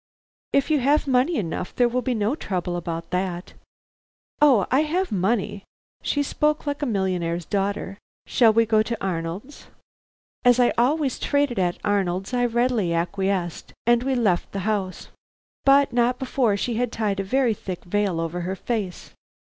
"If you have money enough, there will be no trouble about that." "Oh, I have money." She spoke like a millionaire's daughter. "Shall we go to Arnold's?" As I always traded at Arnold's, I readily acquiesced, and we left the house. But not before she had tied a very thick veil over her face.